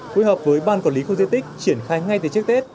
phối hợp với ban quản lý khu di tích triển khai ngay từ trước tết